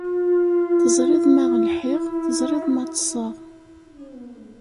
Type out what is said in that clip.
Teẓriḍ ma lḥiɣ, teẓriḍ ma ṭṭseɣ.